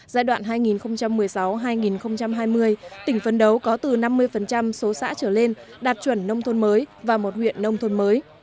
giai đoạn hai nghìn một mươi sáu hai nghìn hai mươi tỉnh phấn đấu có từ năm mươi số xã trở lên đạt chuẩn nông thôn mới và một huyện nông thôn mới